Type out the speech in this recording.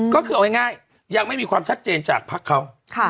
ก็คือเอาง่ายอยากไม่มีความชัดเจนจากพรรคเขา